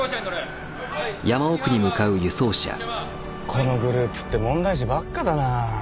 このグループって問題児ばっかだな。